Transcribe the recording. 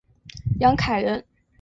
杨凯人。